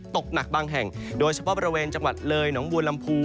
ตกหนักบางแห่งโดยเฉพาะบริเวณจังหวัดเลยหนองบัวลำพู